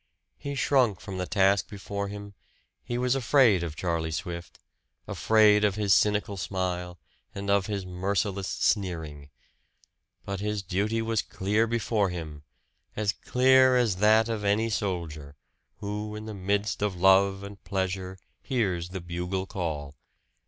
He shrunk from the task before him; he was afraid of Charlie Swift, afraid of his cynical smile, and of his merciless sneering. But his duty was clear before him as clear as that of any soldier, who in the midst of love and pleasure hears the bugle call.